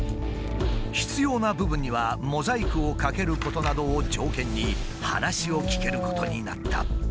必要な部分にはモザイクをかけることなどを条件に話を聞けることになった。